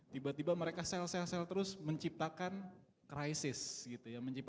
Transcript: tiba tiba mereka sel sel sel terus menciptakan krisis gitu ya